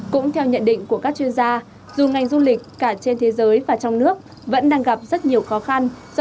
cũng theo nhận định của các chuyên gia dù ngành du lịch cả trên thế giới và trong nước vẫn đang gặp rất nhiều khó khăn